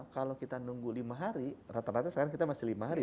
kalau kita nunggu lima hari rata rata sekarang kita masih lima hari